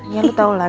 ya lo tau lah